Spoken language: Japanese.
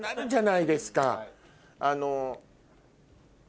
あの。